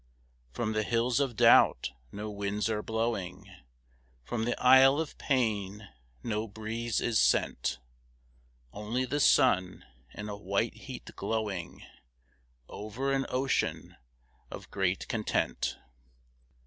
From the hills of doubt no winds are blowing, From the isle of pain no breeze is sent. Only the sun in a white heat glowing Over an ocean of great content.